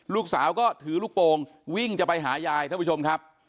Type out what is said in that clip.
ลูกสาวก็ถือลูกโปรงวิ่งจะไปหายายท่านผู้ชมครับ